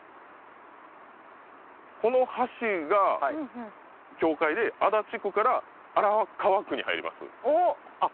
この橋が境界で足立区から荒川区に入りますおっあっ